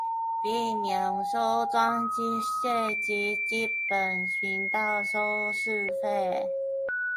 並免收裝機費及基本頻道收視費